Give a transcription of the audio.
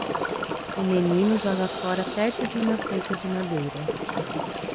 Um menino joga fora perto de uma cerca de madeira.